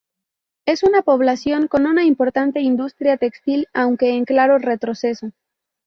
Es una población con una importante industria textil, aunque en claro retroceso.